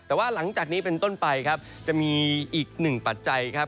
แต่ว่าหลังจากนี้เป็นต้นไปครับจะมีอีกหนึ่งปัจจัยครับ